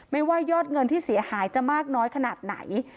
ว่ายอดเงินที่เสียหายจะมากน้อยขนาดไหน